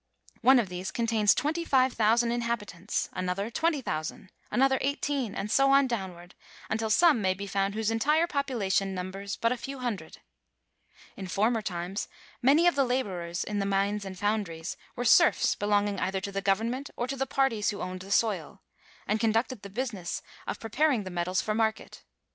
One of these con A RUSSIAN ELOPfiMENl^. 247 tains twenty five thousand inhabitants, another twenty thousand, another eighteen, and so on downward, until some may be found whose entire population numbers but a few hundred. In former times many of the laborers in the mines and foun^ dries were serfs belonging either to the govern^ ment or to the parties who owned the soil^ and conducted the business of preparing the metals for market.